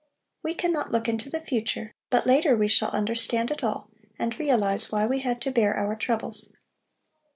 We cannot look into the future, but later we shall understand it all and realize why we had to bear our troubles.